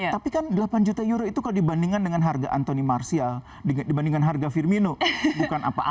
tapi kan delapan juta euro itu kalau dibandingkan dengan harga antoni marsial dibandingkan harga firmino bukan apa apa